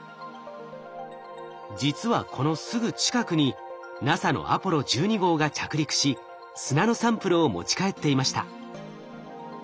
実はこのすぐ近くにＮＡＳＡのアポロ１２号が着陸し砂のサンプルを持ち帰っていました。